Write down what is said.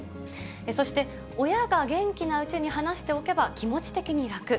そして親が元気なうちに話しておけば気持ち的に楽。